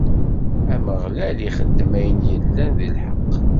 Ameɣlal ixeddem ayen yellan d lḥeqq.